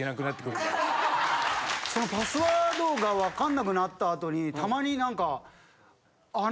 そのパスワードがわかんなくなった後にたまになんか。